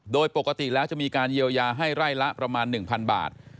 โดยปกติแล้วจะมีการเยียวยาให้ไร่ละประมาณ๑๐๐บาท